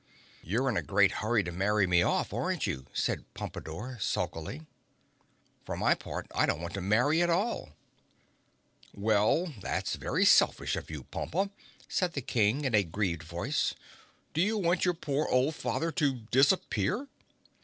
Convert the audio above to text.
"You're in a great hurry to marry me off, aren't you," said Pompadore sulkily. "For my part, I don't want to marry at all!" "Well, that's very selfish of you, Pompa," said the King in a grieved voice. "Do you want your poor old father to disappear?"